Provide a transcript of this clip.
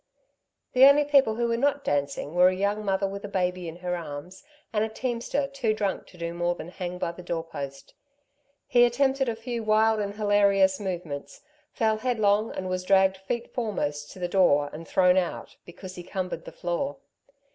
The only people who were not dancing were a young mother with a baby in her arms and a teamster too drunk to do more than hang by the doorpost. He attempted a few wild and hilarious movements, fell headlong and was dragged feet foremost to the door and thrown out, because he cumbered the floor.